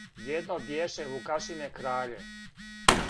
Једно бјеше Вукашине краље,